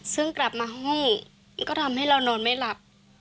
ซึ่งกลับมาห้องก็ทำให้เรานอนไม่หลับ